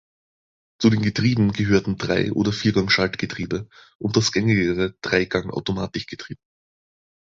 Zu den Getrieben gehörten Drei- oder Vier-Gang-Schaltgetriebe und das gängigere Dreigang-Automatikgetriebe.